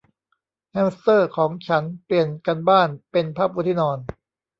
แฮมสเตอร์ของฉันเปลี่ยนการบ้านเป็นผ้าปูที่นอน